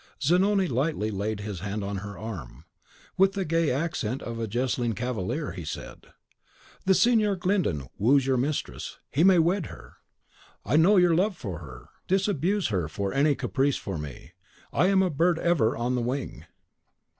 Zanoni lightly laid his hand on her arm. With the gay accent of a jesting cavalier, he said, "The Signor Glyndon woos your mistress; he may wed her. I know your love for her. Disabuse her of any caprice for me. I am a bird ever on the wing."